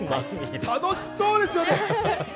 楽しそうですよね。